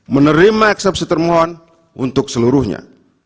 menerima eksepsi termohon untuk seluruhnya